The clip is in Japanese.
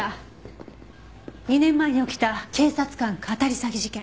２年前に起きた警察官かたり詐欺事件。